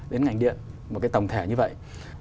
đến ngành điện một cái tổng thể như vậy